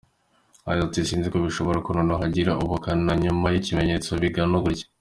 Yagize ati: “Sinzi ko bizashoboka ko noneho hagira uhakana nyuma y’ibimenyetso bigana gutya.”